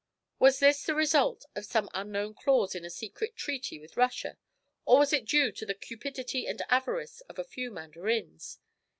Was this the result of some unknown clause in a secret treaty with Russia, or was it due to the cupidity and avarice of a few mandarins?